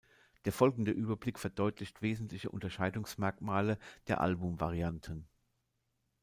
Der folgende Überblick verdeutlicht wesentliche Unterscheidungsmerkmale der Album-Varianten.